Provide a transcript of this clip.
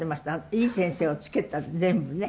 いい先生をつけたって全部ね。